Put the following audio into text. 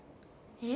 え